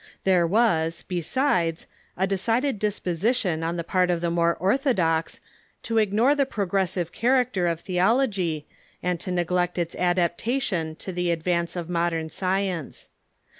There was, besides, a decided disposition on the part of the more orthodox to ignore the progressive character of theology, and to neglect its adaptation to the advance of mod ern science.